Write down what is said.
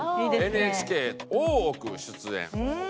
「ＮＨＫ『大奥』出演」。